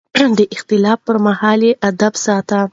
د اختلاف پر مهال يې ادب ساته.